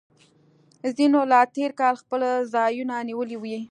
ځینو لا تیر کال خپل ځایونه نیولي وي